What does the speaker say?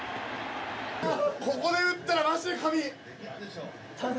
ここで打ったらマジで神！